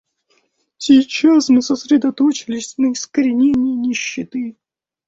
Сейчас мы сосредоточились на искоренении нищеты.